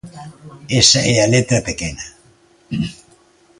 Esa é a letra pequena.